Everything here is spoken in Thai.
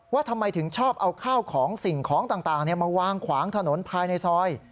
ว่าทำไมถึงชอบเอาข้าวของสิ่งของต่างมาวางขวางถนนภายในซอย